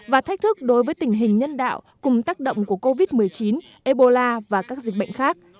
và thách thức đối với tình hình nhân đạo cùng tác động của covid một mươi chín ebola và các dịch bệnh khác